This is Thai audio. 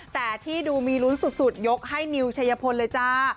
แต่ที่ดูมีลุ้นสุดยกให้นิวชัยพลเลยจ้า